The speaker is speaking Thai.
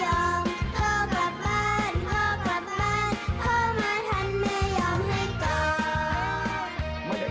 เม่าบอกว่าฉันพ่อมาฉ่าไม่ให้รินคง